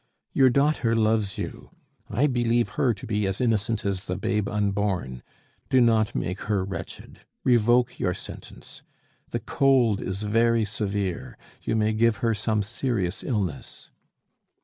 Your daughter loves you. I believe her to be as innocent as the babe unborn. Do not make her wretched. Revoke your sentence. The cold is very severe; you may give her some serious illness."